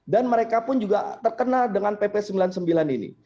dan mereka pun juga terkena dengan pp sembilan puluh sembilan ini